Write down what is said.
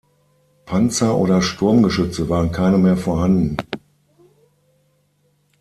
Panzer oder Sturmgeschütze waren keine mehr vorhanden.